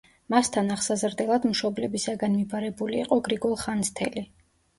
მასთან აღსაზრდელად მშობლებისაგან მიბარებული იყო გრიგოლ ხანძთელი.